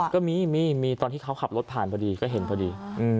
ก็มีมีตอนที่เขาขับรถผ่านพอดีก็เห็นพอดี